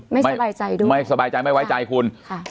ไม่สบายใจด้วยไม่สบายใจไม่ไว้ใจคุณค่ะ